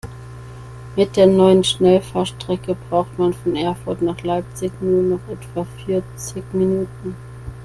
Mit der neuen Schnellfahrstrecke braucht man von Erfurt nach Leipzig nur noch etwa vierzig Minuten